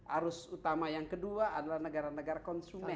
arus utama yang kedua adalah negara negara konsumen